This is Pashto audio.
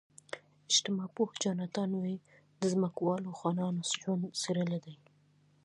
اجتماع پوه جاناتان وی د ځمکوالو خانانو ژوند څېړلی دی.